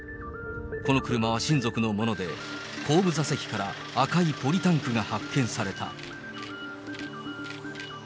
この車は親族のもので、後部座席から赤いポリタンクが発見された。